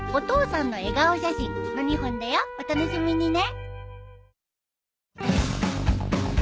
お楽しみにね。